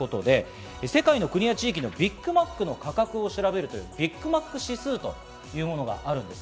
世界の国や地域のビッグマックの価格を調べるというビッグマック指数というものがあります。